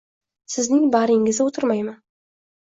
Sizning bag'ringizda o'tirmayman.